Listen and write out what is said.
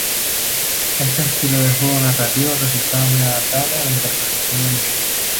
Este estilo de juego narrativo resultaba muy adaptable a la interpretación en vivo.